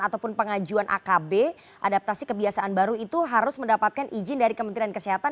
ataupun pengajuan akb adaptasi kebiasaan baru itu harus mendapatkan izin dari kementerian kesehatan